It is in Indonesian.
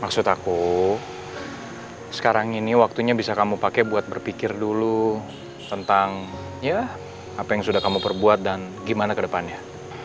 maksud aku sekarang ini waktunya bisa kamu pakai buat berpikir dulu tentang ya apa yang sudah kamu perbuat dan gimana ke depannya